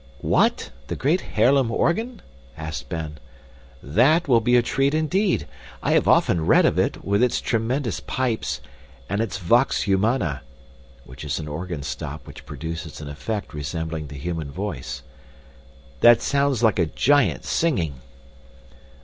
"What, the great Haarlem organ?" asked Ben. "That will be a treat indeed. I have often read of it, with its tremendous pipes, and its vox humana *{An organ stop which produces an effect resembling the human voice.} that sounds like a giant singing."